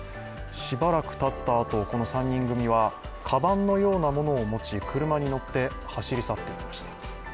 しばらくたったあと、この３人組はかばんのようなものを持ち車に乗って走り去っていきました。